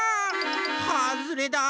はずれだ！